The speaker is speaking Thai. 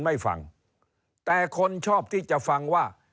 เริ่มตั้งแต่หาเสียงสมัครลง